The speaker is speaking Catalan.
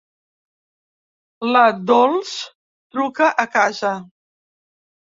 La Dols truca a casa.